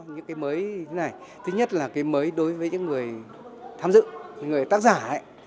những cái mới như thế này thứ nhất là cái mới đối với những người tham dự người tác giả ấy